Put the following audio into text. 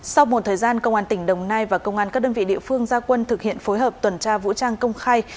sau một thời gian công an tỉnh đồng nai và công an các đơn vị địa phương gia quân thực hiện phối hợp tuần tra vũ trang công khai